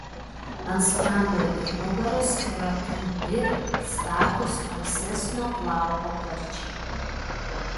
Ant sprando ir nugaros yra trumpi statūs tamsesnio plauko karčiai.